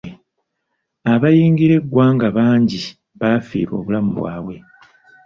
Abayingira eggwanga bangi baafiirwa obulamu bwabwe.